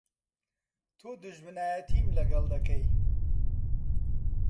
تۆ دوژمنایەتیم لەگەڵ دەکەی!